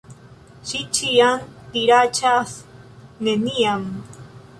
Ŝi ĉiam diraĉas, "Neniam!"